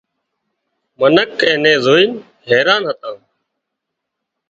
منک اين نين زوئينَ حيران هتان